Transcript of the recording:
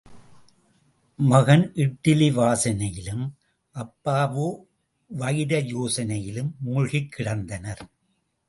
மகன் இட்டிலி வாசனையிலும் அப்பாவோ வைரயோசனையிலும் மூழ்கிக் கிடந்தனர்.